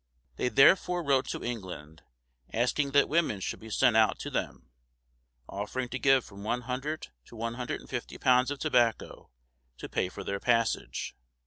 They therefore wrote to England, asking that women should be sent out to them, offering to give from one hundred to one hundred and fifty pounds of tobacco to pay for their passage.